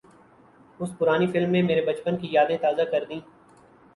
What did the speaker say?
اُس پرانی فلم نے میری بچپن کی یادیں تازہ کردیں